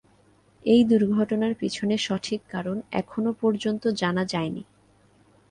এই দুর্ঘটনার পিছনে সঠিক কারণ এখনো পর্যন্ত জানা যায়নি।